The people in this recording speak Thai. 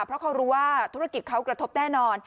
เพราะเขารู้ว่าธุรกิจเขากระทบแน่นอน